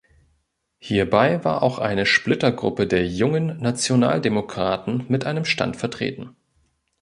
Hierbei war auch eine Splittergruppe der „Jungen Nationaldemokraten“ mit einem Stand vertreten.